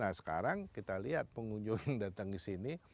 nah sekarang kita lihat pengunjung yang datang ke sini